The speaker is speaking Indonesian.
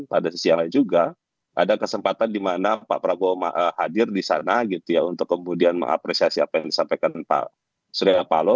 pada sisi yang lain juga ada kesempatan di mana pak prabowo hadir di sana gitu ya untuk kemudian mengapresiasi apa yang disampaikan pak surya paloh